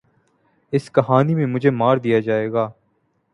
ﺍﺱ ﮐﮩﺎﻧﯽ ﻣﯿﮟ ﻣﺠﮭﮯ ﻣﺎﺭ ﺩﯾﺎ ﺟﺎﺋﮯ ﮔﺎ